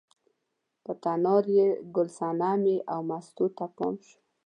په تنار یې ګل صنمې او مستو ته پام شو.